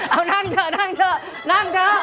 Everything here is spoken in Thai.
เอานั่งเถอะ